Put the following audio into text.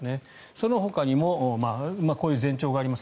そのほかにもこういう前兆があります。